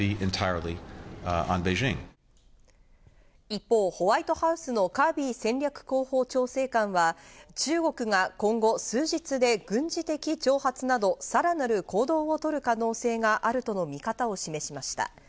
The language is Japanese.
一方、ホワイトハウスのカービー戦略広報調整官は、中国が今後数日で軍事的挑発など、さらなる行動をとる可能性があるとの見方を示しました。